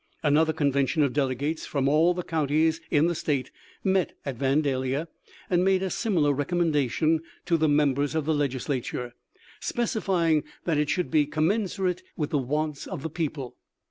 Another con vention of delegates from all the counties in the State met at Vandalia and made a similar recom mendation to the members of the Legislature, specifying that it should be " commensurate with the wants of the people."